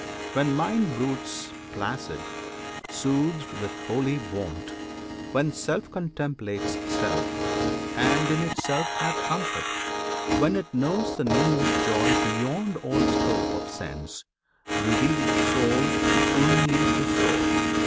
When mind broods placid, soothed with holy wont; When Self contemplates self, and in itself Hath comfort; when it knows the nameless joy Beyond all scope of sense, revealed to soul Only to soul!